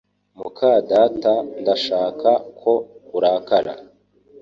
muka data ntashaka ko urakara